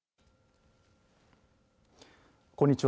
こんにちは。